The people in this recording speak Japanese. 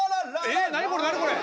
えっ何これ何これ。